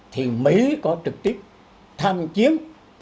thì mỹ có trực tiếp tham chiến